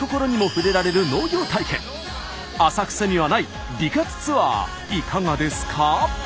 人々の浅草にはない美活ツアーいかがですか？